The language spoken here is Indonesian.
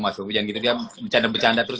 mas yofi jangan gitu dia bercanda bercanda terus